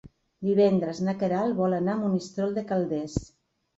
Divendres na Queralt vol anar a Monistrol de Calders.